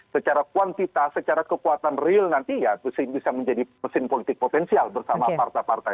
secara kuantitas secara kekuatan real nanti ya bisa menjadi mesin politik potensial bersama partai partai